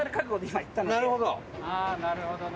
なるほど。